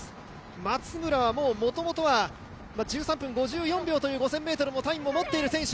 松村はもともとは１３分５４秒という５０００ｍのタイムを持っている選手。